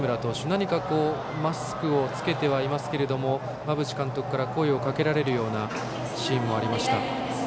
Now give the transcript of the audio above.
何かマスクを着けてはいますが馬淵監督から声をかけられるようなシーンもありました。